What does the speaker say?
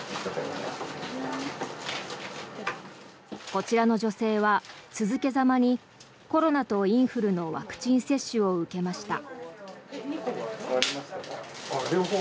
こちらの女性は、続けざまにコロナとインフルのワクチン接種を受けました。